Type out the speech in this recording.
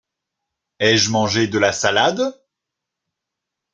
Ai-je mangé de la salade ?…